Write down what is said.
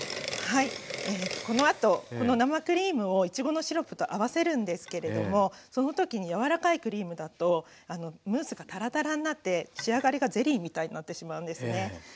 はいこのあとこの生クリームをいちごのシロップと合わせるんですけれどもその時に柔らかいクリームだとムースがタラタラになって仕上がりがゼリーみたいになってしまうんですね。